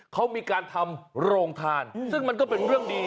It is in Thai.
เขามีการทำโรงทานซึ่งมันก็เป็นเรื่องดี